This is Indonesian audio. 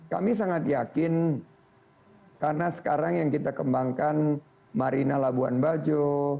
kami sangat yakin karena sekarang yang kita kembangkan marina labuan bajo